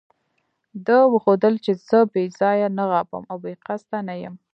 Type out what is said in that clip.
ده وښودل چې زه بې ځایه نه غاپم او بې قصده نه یم.